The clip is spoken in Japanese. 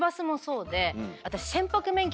私。